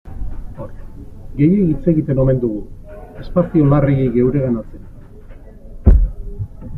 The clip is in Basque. Gehiegi hitz egiten omen dugu, espazio larregi geureganatzen.